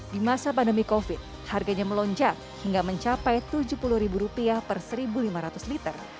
di masa pandemi covid harganya melonjak hingga mencapai rp tujuh puluh per satu lima ratus liter